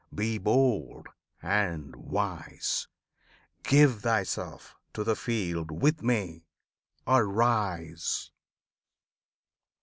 Be bold and wise! Give thyself to the field with me! Arise!